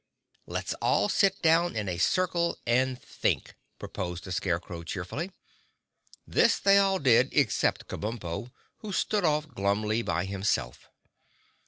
"Let's all sit down in a circle and think," proposed the Scarecrow cheerfully. This they all did except Kabumpo, who stood off glumly by himself.